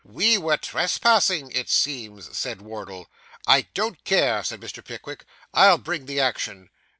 'We were trespassing, it seems,' said Wardle. 'I don't care,' said Mr. Pickwick, 'I'll bring the action.